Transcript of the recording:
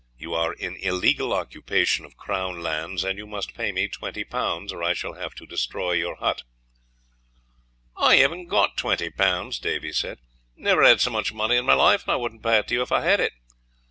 You are in illegal occupation of Crown lands, and you must pay me twenty pounds, or I shall have to destroy your hut." "I hav'nt got the twenty pounds," Davy said: "never had as much money in my life; and I wouldn't pay it to you if I had it.